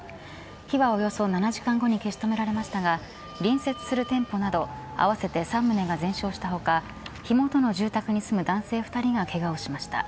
火はおよそ７時間後に消し止められましたが隣接する店舗など合わせて３棟が全焼したほか火元の住宅に住む男性２人がけがをしました。